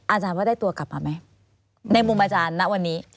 อาจารย์ว่าได้ตัวกลับมาไหมในมุมอาจารย์ณวันนี้